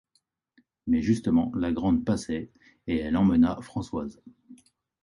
Mais justement la Grande passait, et elle emmena Françoise.